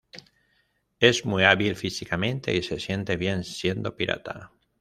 Es muy hábil físicamente y se siente bien siendo pirata.